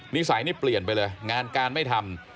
นิสัยนี่เปลี่ยนไปเลยงานการไม่ทำ